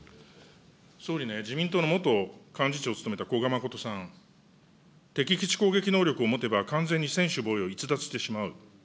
総理、ね、自民党の幹事長を務めたこがまことさん、敵基地攻撃能力を持てば、完全に専守防衛を逸脱してしまう。